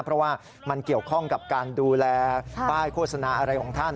เพราะว่ามันเกี่ยวข้องกับการดูแลป้ายโฆษณาอะไรของท่าน